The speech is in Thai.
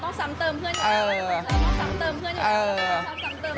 ต้องซ้ำเติมเพื่อนอยู่แล้ว